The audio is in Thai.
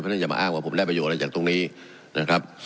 เพราะฉะนั้นอย่ามาอ้างว่าผมได้ประโยชน์อะไรจากตรงนี้นะครับ